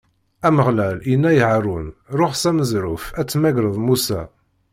Ameɣlal inna i Haṛun: Ṛuḥ s aneẓruf ad temmagreḍ Musa.